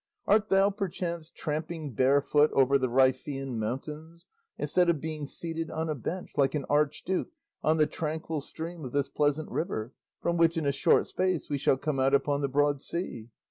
Art thou, perchance, tramping barefoot over the Riphaean mountains, instead of being seated on a bench like an archduke on the tranquil stream of this pleasant river, from which in a short space we shall come out upon the broad sea?